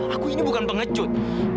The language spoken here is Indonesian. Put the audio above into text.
aku ini bukan pengecut